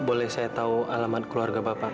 boleh saya tahu alamat keluarga bapak